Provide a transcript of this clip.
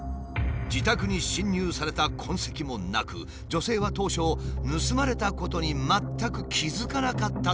自宅に侵入された痕跡もなく女性は当初盗まれたことに全く気付かなかったという。